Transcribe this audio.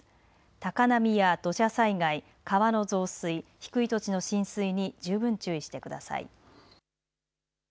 高波や土砂災害、川の増水低い土地の浸水に十分注意してください。